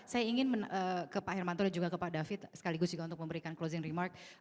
saya ingin ke pak hermanto dan juga ke pak david sekaligus juga untuk memberikan closing remark